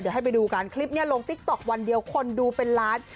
เดี๋ยวให้ไปดูกันคลิปนี้ลงติ๊กต๊อกวันเดียวคนดูเป็นล้าน